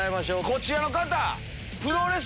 こちらの方。